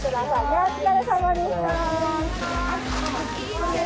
お疲れさまでした。